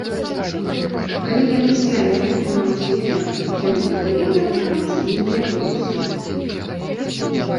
Калі яны звялі і атрымаўся эфект, яны павінны атрымаць нейкія бонусы.